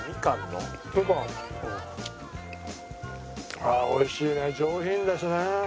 ああ美味しいね上品ですね。